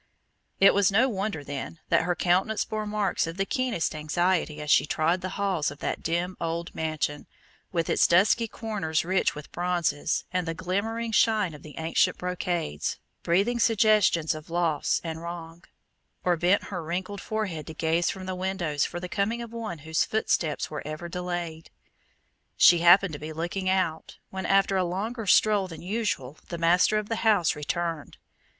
It was no wonder, then, that her countenance bore marks of the keenest anxiety as she trod the halls of that dim old mansion, with its dusky corners rich with bronzes and the glimmering shine of ancient brocades, breathing suggestions of loss and wrong; or bent her wrinkled forehead to gaze from the windows for the coming of one whose footsteps were ever delayed. She happened to be looking out, when after a longer stroll than usual the master of the house returned.